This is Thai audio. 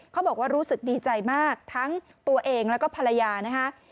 เขาบอกว่ารู้สึกดีใจมากทั้งตัวเองแล้วก็ภรรยานะคะ